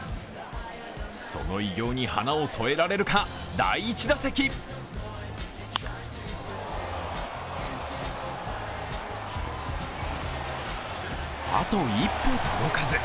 その偉業に花を添えられるか、第１打席あと一歩届かず。